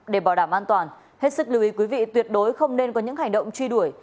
để bảo đảm an toàn hết sức lưu ý quý vị tuyệt đối không nên có những hành động truy đuổi